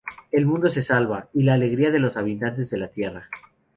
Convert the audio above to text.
El mundo se salva, y la alegría de los habitantes de la Tierra.